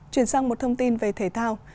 chuyển sang một thông tin về thể thao